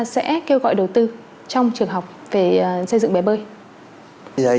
sẽ kêu gọi đầu tư trong trường học về xây dựng bể bơi